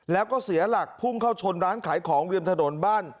แล้วก็เสียหลักพุ่งเข้าชนร้านขายของริมถนนบ้าน